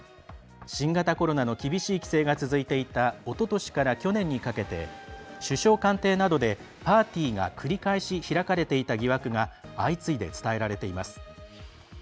新型コロナの厳しい規制が続いていたおととしから去年にかけて首相官邸などでパーティーが繰り返し開かれていた疑惑が相次いで伝えられています。